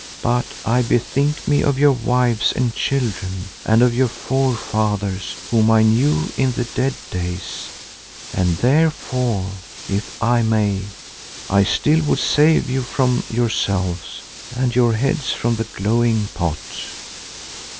But I bethink me of your wives and children and of your forefathers whom I knew in the dead days, and therefore, if I may, I still would save you from yourselves and your heads from the glowing pot.